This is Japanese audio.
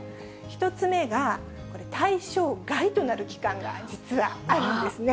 １つ目が、対象外となる期間が実はあるんですね。